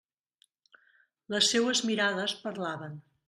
Les seues mirades parlaven.